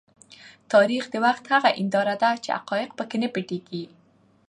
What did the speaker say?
تاریخ د وخت هغه هنداره ده چې حقایق په کې نه پټیږي.